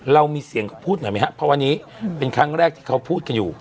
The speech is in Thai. เรามีเสียงเขาพูดหน่อยไหมครับเพราะวันนี้เป็นครั้งแรกที่เขาพูดกันอยู่